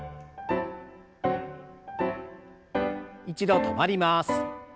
一度止まります。